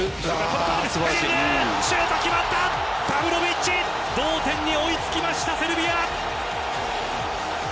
パブロヴィッチ同点に追い付きましたセルビア。